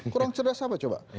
kurang cerdas apa coba